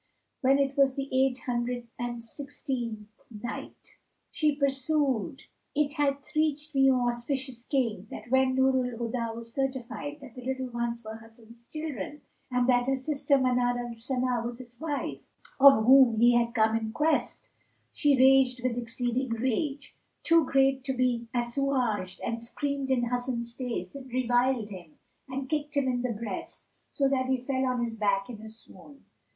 When it was the Eight Hundred and Sixteenth Night, She pursued, It hath reached me, O auspicious King, that when Nur al Huda was certified that the little ones were Hasan's children and that her sister Manar al Sana was his wife of whom he had come in quest, she raged with exceeding rage, too great to be assuaged and screamed in Hasan's face and reviled him and kicked him in the breast, so that he fell on his back in a swoon.